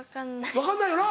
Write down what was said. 分かんないよな。